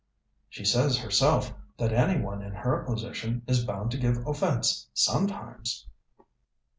"She says herself that anyone in her position is bound to give offence sometimes."